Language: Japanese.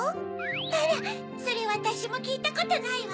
あらそれわたしもきいたことないわ。